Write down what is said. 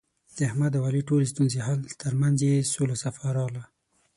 د احمد او علي ټولې ستونزې حل، ترمنځ یې سوله صفا راغله.